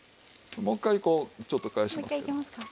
もう一回こうちょっと返します。